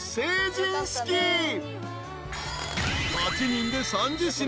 ［８人で３０品。